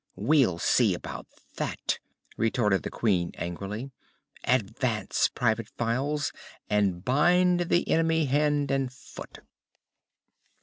"We'll see about that," retorted the Queen, angrily. "Advance, Private Files, and bind the enemy hand and foot!"